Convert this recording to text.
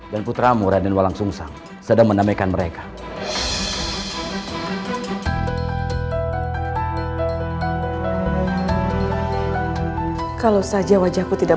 dan putra muradin walang sungsang sedang menamaikan mereka kalau saja wajahku tidak